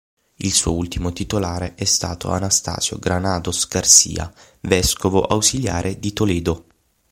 Il suo ultimo titolare è stato Anastasio Granados García, vescovo ausiliare di Toledo.